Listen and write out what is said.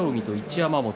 山本。